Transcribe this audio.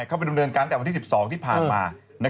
เข้าไปดำเนินการตั้งแต่วันที่๑๒ที่ผ่านมา